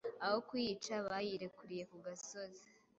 Aho kuyica bayirekuriye ku gasozi